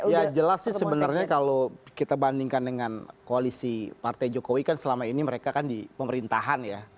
ya jelas sih sebenarnya kalau kita bandingkan dengan koalisi partai jokowi kan selama ini mereka kan di pemerintahan ya